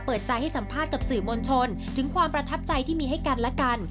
เปิดใจให้สัมภาษณ์กับสื่อมวลชนถึงความประทับใจที่มีให้กันและกัน